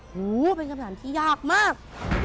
หูเป็นคำถามที่ยากมาก